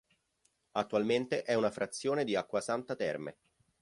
Attualmente è una frazione di Acquasanta Terme.